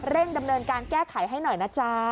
ดำเนินการแก้ไขให้หน่อยนะจ๊ะ